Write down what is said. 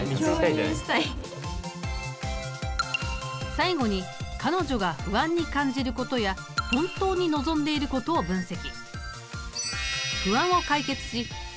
最後に彼女が不安に感じることや本当に望んでいることを分析。